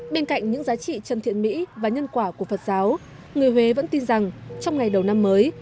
bên cạnh những giá trị chân thiện mỹ và nhân quả của phật giáo người huế vẫn tin rằng trong ngày đầu năm mới